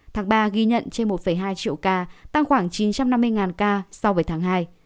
tháng ba ghi nhận trên một hai triệu ca tăng khoảng chín trăm năm mươi ca so với tháng hai